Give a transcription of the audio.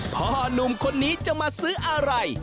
หนุ่มคนนี้จะมาซื้ออะไร